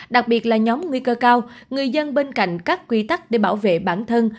đặc biệt là nhóm nguy cơ cao người dân bên cạnh các quy tắc để bảo vệ bản thân